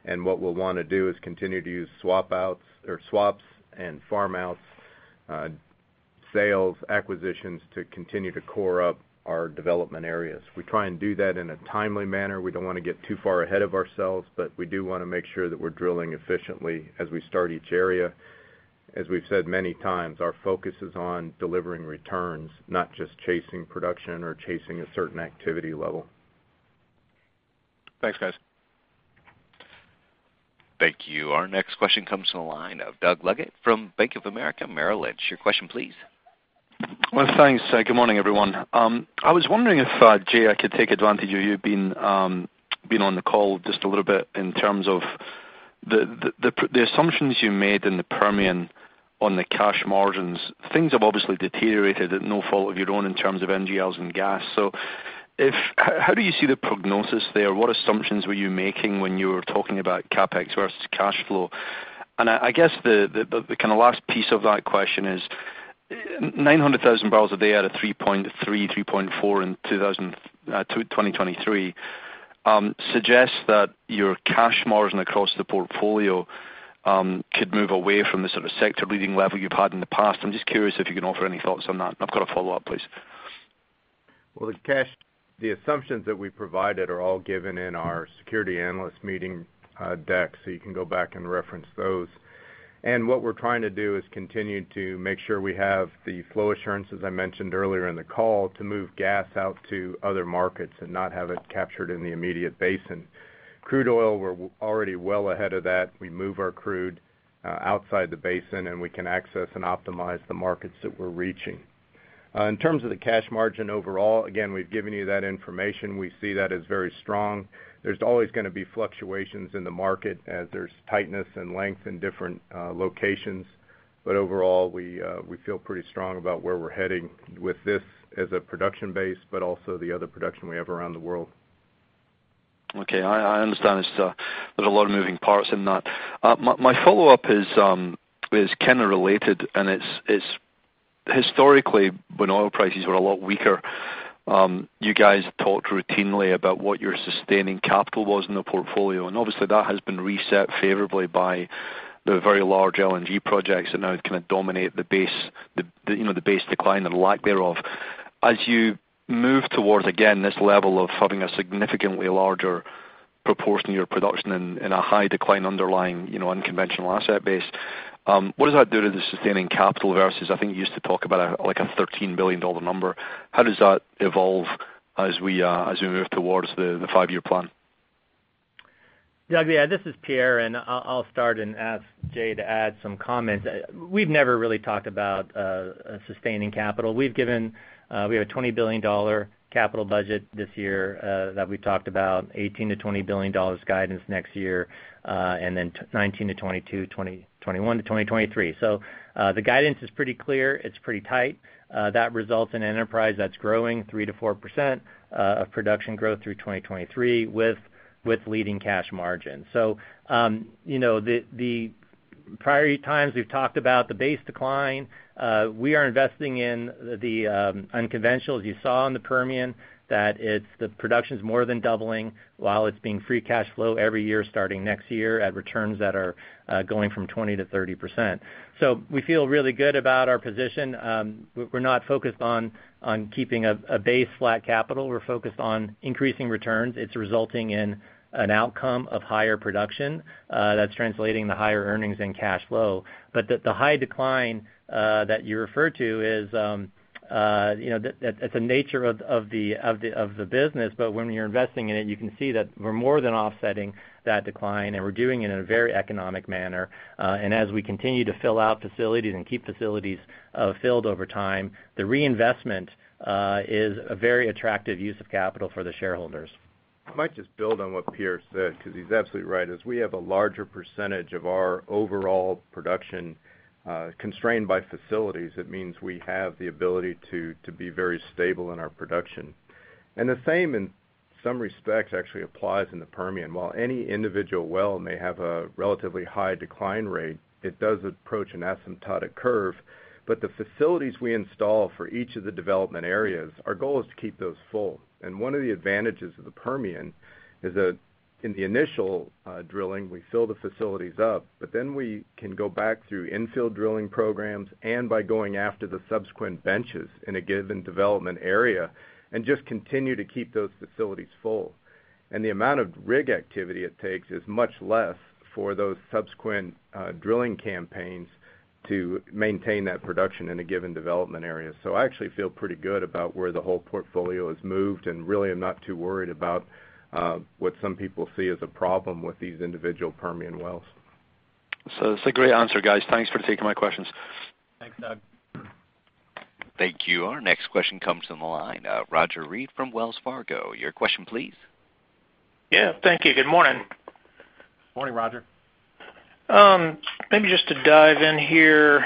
and what we'll want to do is continue to use swaps and farm outs, sales, acquisitions to continue to core up our development areas. We try and do that in a timely manner. We don't want to get too far ahead of ourselves, but we do want to make sure that we're drilling efficiently as we start each area. As we've said many times, our focus is on delivering returns, not just chasing production or chasing a certain activity level. Thanks, guys. Thank you. Our next question comes from the line of Douglas Leggate from Bank of America Merrill Lynch. Your question please? Well, thanks. Good morning, everyone. I was wondering if, Jay, I could take advantage of you being on the call just a little bit in terms of the assumptions you made in the Permian on the cash margins. Things have obviously deteriorated at no fault of your own in terms of NGLs and gas. How do you see the prognosis there? What assumptions were you making when you were talking about CapEx versus cash flow? I guess the last piece of that question is 900,000 barrels a day at a 3.3.4 in 2023 suggests that your cash margin across the portfolio could move away from the sort of sector-leading level you've had in the past. I'm just curious if you can offer any thoughts on that. I've got a follow-up, please. The assumptions that we provided are all given in our security analyst meeting deck, so you can go back and reference those. What we're trying to do is continue to make sure we have the flow assurance, as I mentioned earlier in the call, to move gas out to other markets and not have it captured in the immediate basin. Crude oil, we're already well ahead of that. We move our crude outside the basin, and we can access and optimize the markets that we're reaching. In terms of the cash margin overall, again, we've given you that information. We see that as very strong. There's always going to be fluctuations in the market as there's tightness and length in different locations. Overall, we feel pretty strong about where we're heading with this as a production base, but also the other production we have around the world. Okay. I understand there's a lot of moving parts in that. My follow-up is kind of related, and it's historically when oil prices were a lot weaker, you guys talked routinely about what your sustaining capital was in the portfolio, and obviously that has been reset favorably by the very large LNG projects that now dominate the base decline or lack thereof. As you move towards, again, this level of having a significantly larger proportion of your production in a high decline underlying unconventional asset base What does that do to the sustaining capital versus, I think you used to talk about a $13 billion number? How does that evolve as we move towards the five-year plan? Doug, this is Pierre, I'll start and ask Jay to add some comments. We've never really talked about sustaining capital. We have a $20 billion capital budget this year that we've talked about, $18 billion to $20 billion guidance next year, then 2019 to 2022, 2021 to 2023. The guidance is pretty clear. It's pretty tight. That results in an enterprise that's growing 3% to 4% of production growth through 2023 with leading cash margin. The prior times we've talked about the base decline, we are investing in the unconventional, as you saw in the Permian, that the production's more than doubling while it's being free cash flow every year starting next year at returns that are going from 20% to 30%. We feel really good about our position. We're not focused on keeping a base flat capital. We're focused on increasing returns. It's resulting in an outcome of higher production that's translating to higher earnings and cash flow. The high decline that you referred to is the nature of the business, but when you're investing in it, you can see that we're more than offsetting that decline, and we're doing it in a very economic manner. As we continue to fill out facilities and keep facilities filled over time, the reinvestment is a very attractive use of capital for the shareholders. I might just build on what Pierre said, because he's absolutely right, is we have a larger percentage of our overall production constrained by facilities. It means we have the ability to be very stable in our production. The same, in some respects, actually applies in the Permian. While any individual well may have a relatively high decline rate, it does approach an asymptotic curve. The facilities we install for each of the development areas, our goal is to keep those full. One of the advantages of the Permian is that in the initial drilling, we fill the facilities up, but then we can go back through infill drilling programs and by going after the subsequent benches in a given development area and just continue to keep those facilities full. The amount of rig activity it takes is much less for those subsequent drilling campaigns to maintain that production in a given development area. I actually feel pretty good about where the whole portfolio has moved and really am not too worried about what some people see as a problem with these individual Permian wells. That's a great answer, guys. Thanks for taking my questions. Thanks, Doug. Thank you. Our next question comes from the line of Roger Read from Wells Fargo. Your question, please. Yeah. Thank you. Good morning. Morning, Roger. Maybe just to dive in here,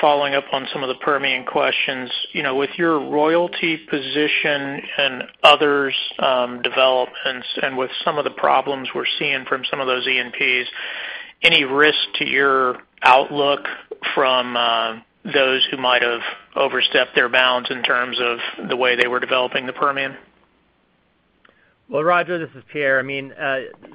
following up on some of the Permian questions. With your royalty position and others' developments and with some of the problems we're seeing from some of those E&Ps, any risk to your outlook from those who might have overstepped their bounds in terms of the way they were developing the Permian? Well, Roger, this is Pierre.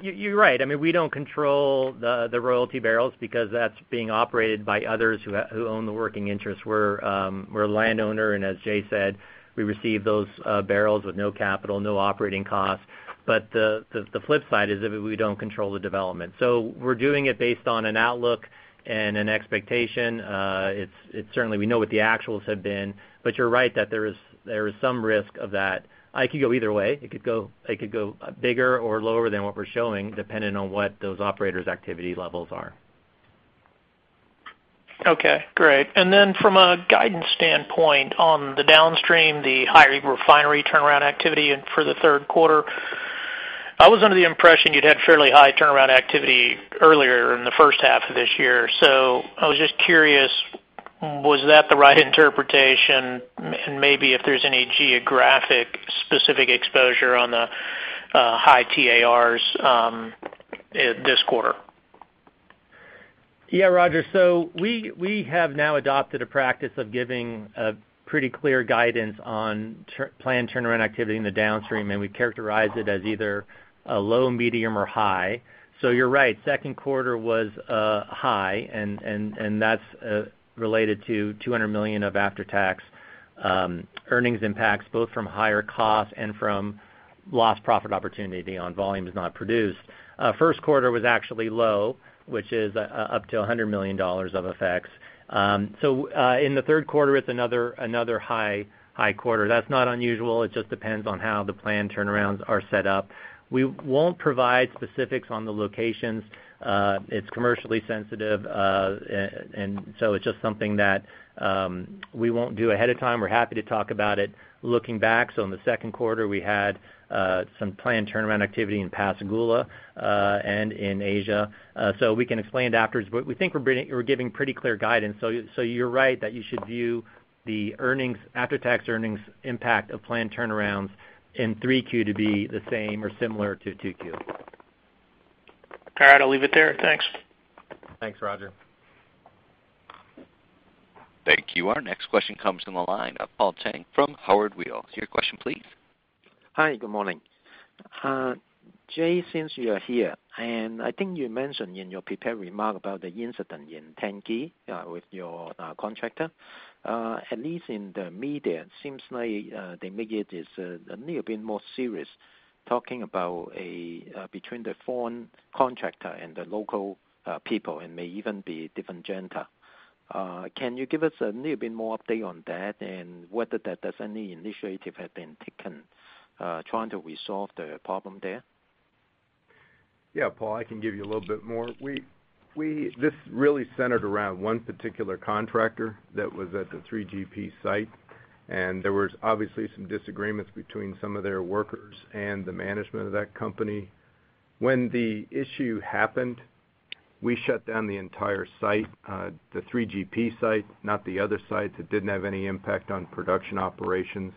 You're right. We don't control the royalty barrels because that's being operated by others who own the working interest. We're a landowner, and as Jay said, we receive those barrels with no capital, no operating cost. The flip side is that we don't control the development. We're doing it based on an outlook and an expectation. Certainly, we know what the actuals have been, but you're right that there is some risk of that. It could go either way. It could go bigger or lower than what we're showing, depending on what those operators' activity levels are. Okay. Great. From a guidance standpoint on the downstream, the higher refinery turnaround activity for the third quarter, I was under the impression you'd had fairly high turnaround activity earlier in the first half of this year. I was just curious, was that the right interpretation and maybe if there's any geographic specific exposure on the high TARs this quarter? Roger. We have now adopted a practice of giving a pretty clear guidance on planned turnaround activity in the downstream, and we characterize it as either a low, medium, or high. You're right, second quarter was high, and that's related to $200 million of after-tax earnings impacts, both from higher costs and from lost profit opportunity on volumes not produced. First quarter was actually low, which is up to $100 million of effects. In the third quarter, it's another high quarter. That's not unusual. It just depends on how the planned turnarounds are set up. We won't provide specifics on the locations. It's commercially sensitive, and so it's just something that we won't do ahead of time. We're happy to talk about it looking back. In the second quarter, we had some planned turnaround activity in Pascagoula, and in Asia. We can explain it afterwards, but we think we're giving pretty clear guidance. You're right that you should view the after-tax earnings impact of planned turnarounds in 3Q to be the same or similar to 2Q. All right. I'll leave it there. Thanks. Thanks, Roger. Thank you. Our next question comes from the line of Paul Cheng from Howard Weil. Your question, please. Hi. Good morning. Jay, since you are here, I think you mentioned in your prepared remark about the incident in Tengiz with your contractor. At least in the media, it seems like the media is a little bit more serious talking about between the foreign contractor and the local people, and may even be different gender. Can you give us a little bit more update on that and whether there's any initiative have been taken trying to resolve the problem there? Yeah, Paul, I can give you a little bit more. This really centered around one particular contractor that was at the 3GP site, and there was obviously some disagreements between some of their workers and the management of that company. When the issue happened, we shut down the entire site, the 3GP site, not the other sites. It didn't have any impact on production operations,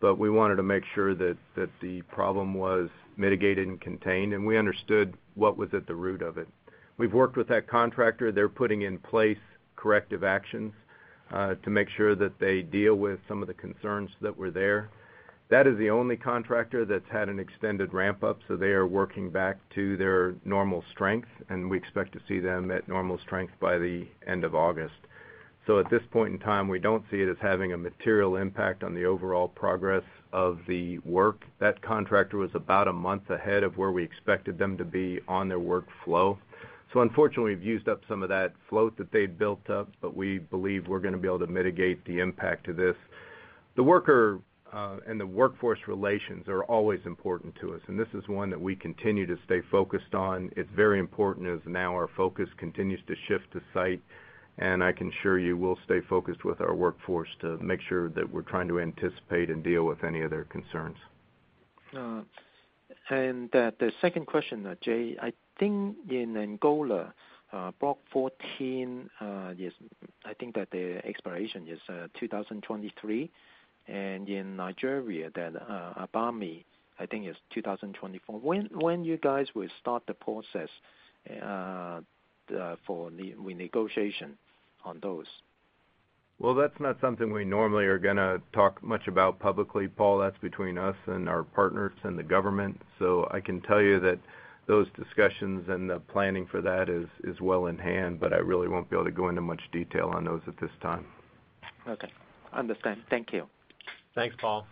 but we wanted to make sure that the problem was mitigated and contained, and we understood what was at the root of it. We've worked with that contractor. They're putting in place corrective actions to make sure that they deal with some of the concerns that were there. That is the only contractor that's had an extended ramp-up, so they are working back to their normal strength, and we expect to see them at normal strength by the end of August. At this point in time, we don't see it as having a material impact on the overall progress of the work. That contractor was about one month ahead of where we expected them to be on their workflow. Unfortunately, we've used up some of that float that they'd built up, but we believe we're going to be able to mitigate the impact of this. The worker and the workforce relations are always important to us, and this is one that we continue to stay focused on. It's very important as now our focus continues to shift to site, and I can assure you we'll stay focused with our workforce to make sure that we're trying to anticipate and deal with any of their concerns. The second question, Jay, I think in Angola, Block 14, I think that the expiration is 2023. In Nigeria, the Agbami, I think it's 2024. When you guys will start the process for the renegotiation on those? Well, that's not something we normally are gonna talk much about publicly, Paul. That's between us and our partners and the government. I can tell you that those discussions and the planning for that is well in hand, I really won't be able to go into much detail on those at this time. Okay. Understand. Thank you. Thanks, Paul.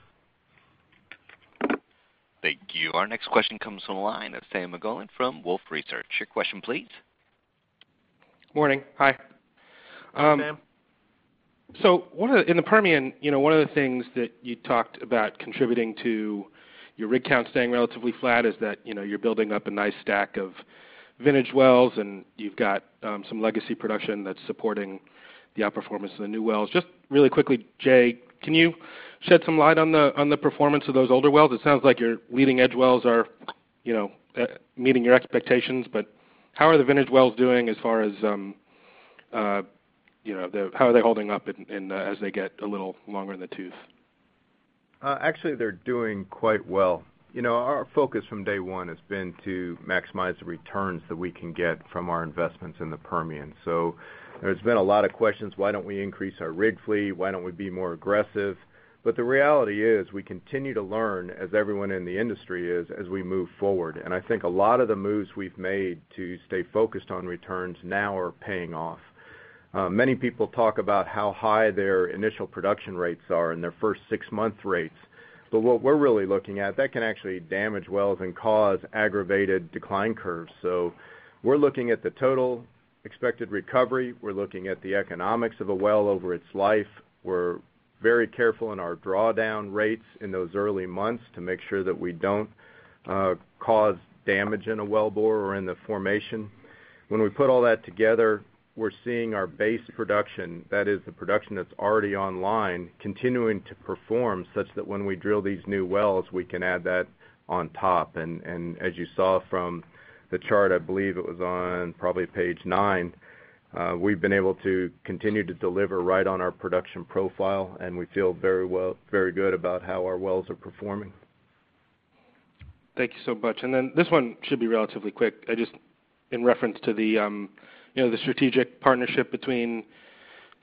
Thank you. Our next question comes from the line of Sam Margolin from Wolfe Research. Your question, please. Morning. Hi. Hi, Sam. In the Permian, one of the things that you talked about contributing to your rig count staying relatively flat is that you're building up a nice stack of vintage wells, and you've got some legacy production that's supporting the outperformance of the new wells. Just really quickly, Jay, can you shed some light on the performance of those older wells? It sounds like your leading-edge wells are meeting your expectations, but how are the vintage wells doing as far as how are they holding up in as they get a little longer in the tooth? Actually, they're doing quite well. Our focus from day one has been to maximize the returns that we can get from our investments in the Permian. There's been a lot of questions, why don't we increase our rig fleet? Why don't we be more aggressive? The reality is we continue to learn, as everyone in the industry is, as we move forward. I think a lot of the moves we've made to stay focused on returns now are paying off. Many people talk about how high their initial production rates are and their first six-month rates, but what we're really looking at, that can actually damage wells and cause aggravated decline curves. We're looking at the total expected recovery. We're looking at the economics of a well over its life. We're very careful in our drawdown rates in those early months to make sure that we don't cause damage in a wellbore or in the formation. When we put all that together, we're seeing our base production, that is the production that's already online, continuing to perform such that when we drill these new wells, we can add that on top. As you saw from the chart, I believe it was on probably page nine, we've been able to continue to deliver right on our production profile, and we feel very good about how our wells are performing. Thank you so much. This one should be relatively quick. Just in reference to the strategic partnership between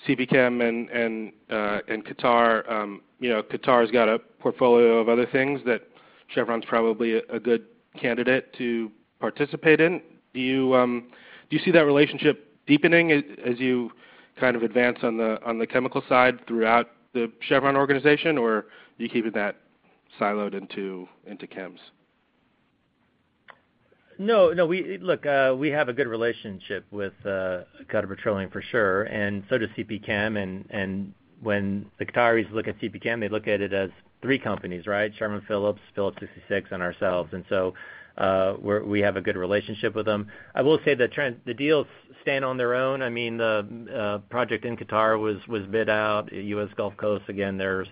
CPChem and Qatar. Qatar's got a portfolio of other things that Chevron's probably a good candidate to participate in. Do you see that relationship deepening as you advance on the chemical side throughout the Chevron organization, or are you keeping that siloed into chems? No. Look, we have a good relationship with Qatar Petroleum, for sure, and so does CPChem, and when the Qataris look at CPChem, they look at it as three companies, right? Chevron Phillips 66, and ourselves. We have a good relationship with them. I will say the deals stand on their own. I mean, the project in Qatar was bid out. U.S. Gulf Coast, again, there's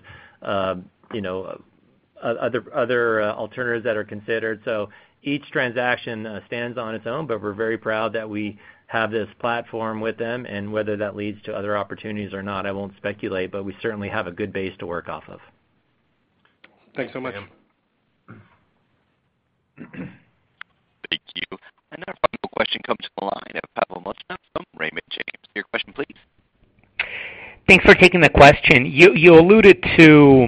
other alternatives that are considered. Each transaction stands on its own, but we're very proud that we have this platform with them, and whether that leads to other opportunities or not, I won't speculate, but we certainly have a good base to work off of. Thanks so much. Sam. Thank you. Our final question comes from the line of Pavel Molchanov from Raymond James. Your question, please. Thanks for taking the question. You alluded to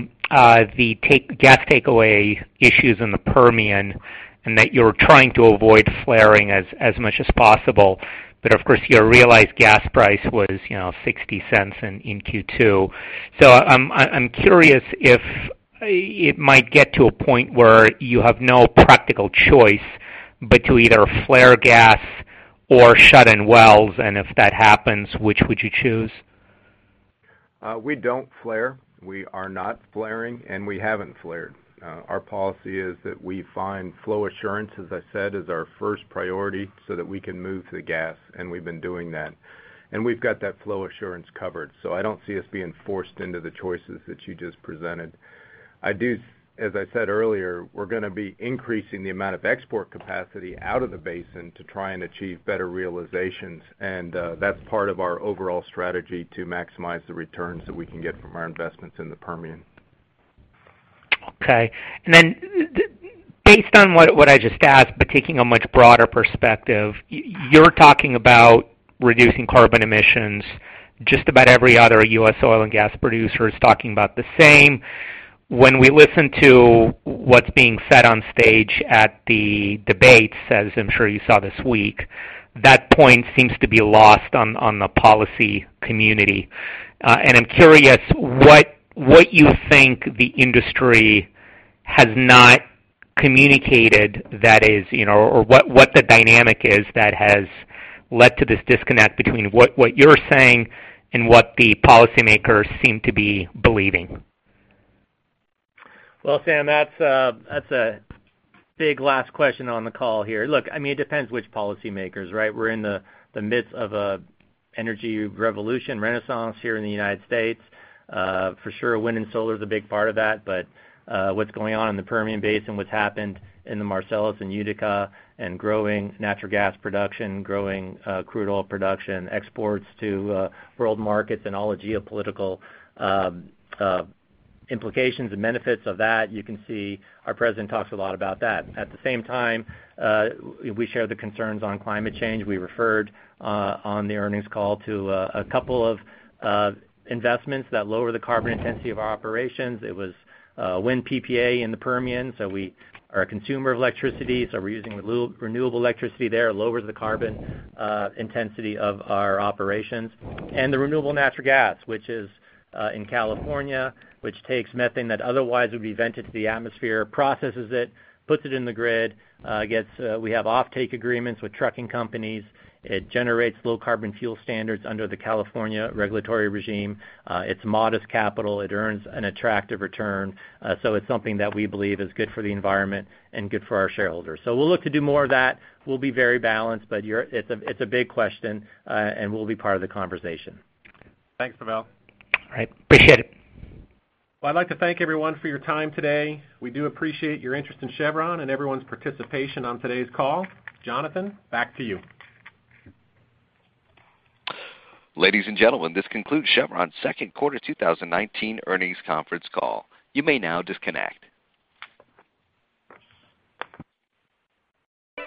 the gas takeaway issues in the Permian and that you're trying to avoid flaring as much as possible. Of course, your realized gas price was $0.60 in Q2. I'm curious if it might get to a point where you have no practical choice but to either flare gas or shut in wells, and if that happens, which would you choose? We don't flare. We are not flaring, and we haven't flared. Our policy is that we find flow assurance, as I said, is our first priority so that we can move the gas, and we've been doing that. We've got that flow assurance covered, so I don't see us being forced into the choices that you just presented. As I said earlier, we're going to be increasing the amount of export capacity out of the basin to try and achieve better realizations. That's part of our overall strategy to maximize the returns that we can get from our investments in the Permian. Okay. Based on what I just asked, but taking a much broader perspective, you're talking about reducing carbon emissions. Just about every other U.S. oil and gas producer is talking about the same. When we listen to what's being said on stage at the debates, as I'm sure you saw this week, that point seems to be lost on the policy community. I'm curious what you think the industry has not communicated or what the dynamic is that has led to this disconnect between what you're saying and what the policymakers seem to be believing. Well, Sam, that's a big last question on the call here. Look, it depends which policymakers, right? We're in the midst of an energy revolution renaissance here in the United States. For sure, wind and solar is a big part of that, but what's going on in the Permian Basin, what's happened in the Marcellus and Utica, and growing natural gas production, growing crude oil production, exports to world markets, and all the geopolitical implications and benefits of that, you can see our president talks a lot about that. At the same time, we share the concerns on climate change. We referred on the earnings call to a couple of investments that lower the carbon intensity of our operations. It was wind PPA in the Permian, so we are a consumer of electricity, so we're using renewable electricity there. It lowers the carbon intensity of our operations. The renewable natural gas, which is in California, which takes methane that otherwise would be vented to the atmosphere, processes it, puts it in the grid. We have offtake agreements with trucking companies. It generates Low Carbon Fuel Standard under the California regulatory regime. It's modest capital. It earns an attractive return. It's something that we believe is good for the environment and good for our shareholders. We'll look to do more of that. We'll be very balanced, but it's a big question, and we'll be part of the conversation. Thanks, Pavel. All right. Appreciate it. Well, I'd like to thank everyone for your time today. We do appreciate your interest in Chevron and everyone's participation on today's call. Jonathan, back to you. Ladies and gentlemen, this concludes Chevron's second quarter 2019 earnings conference call. You may now disconnect.